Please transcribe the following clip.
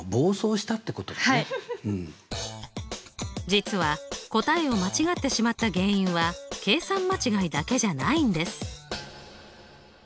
実は答えを間違ってしまった原因は計算間違いだけじゃないんです。